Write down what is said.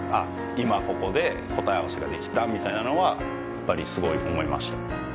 今ここで答え合わせができたみたいなのはやっぱりすごい思いました